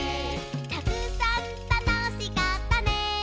「たくさんたのしかったね」